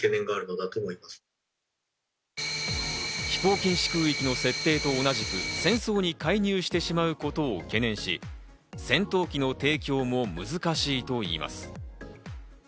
飛行禁止空域の設定と同じく戦争に介入してしまうことを懸念して、戦闘機の提供も難しいといいます。